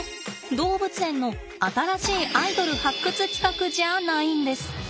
動物園の新しいアイドル発掘企画じゃないんです。